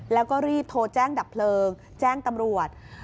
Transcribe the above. แล้วก็รีบโทรแจ้งดับเพลิงแจ้งตำรวจ